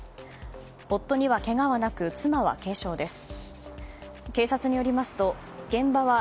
夫にはけがはなく妻は軽傷です。